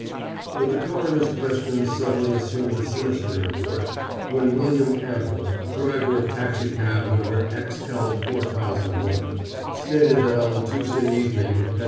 But the coroner's questions suddenly assumed a sinister import when William Campbell, driver of taxicab number X L 4001, stated that on the Tuesday evening, at 7.